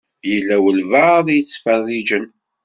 Yella walebɛaḍ i yettfeṛṛiǧen.